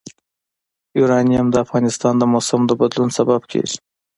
یورانیم د افغانستان د موسم د بدلون سبب کېږي.